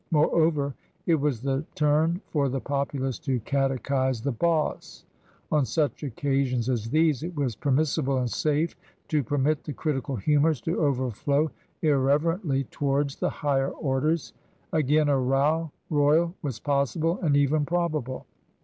Moreover, it was the turn for the populace to catechise the " boss" ; on such occasions as these it was permis sible and safe to permit the critical humours to overflow irreverently towards the " higher orders" ; again, a row royal was possible and even probable.